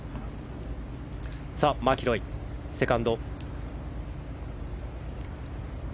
さあ、マキロイのセカンド。